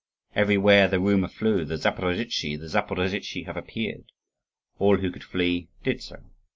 Everywhere the rumour flew, "The Zaporozhtzi! The Zaporozhtzi have appeared!" All who could flee did so.